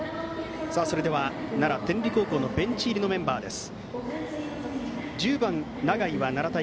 それでは、奈良・天理高校ベンチ入りのメンバーです。